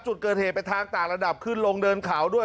จุดเกิดเหตุเป็นทางต่างระดับขึ้นลงเดินเขาด้วย